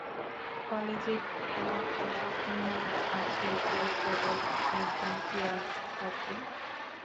কলেজে কি এমন কোনো নিয়ম আছে যে কেবল একজন চেয়ারম্যান থাকবে?